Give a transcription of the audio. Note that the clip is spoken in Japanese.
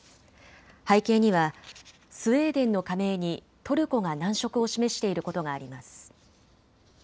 背景にはスウェーデンの加盟にトルコが難色を示していることがあります。